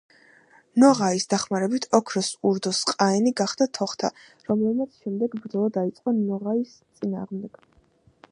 ნოღაის დახმარებით ოქროს ურდოს ყაენი გახდა თოხთა, რომელმაც შემდეგ ბრძოლა დაიწყო ნოღაის წინააღმდეგ.